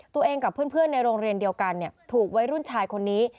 ตัวเองกับเพื่อนในโรงเรียนเดียวกันถูกวัยรุ่นชายคนนี้